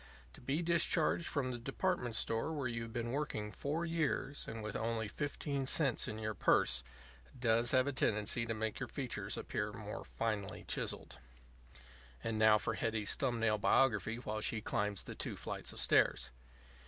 To be discharged from the department store where you have been working four years, and with only fifteen cents in your purse, does have a tendency to make your features appear more finely chiselled. And now for Hetty's thumb nail biography while she climbs the two flights of stairs.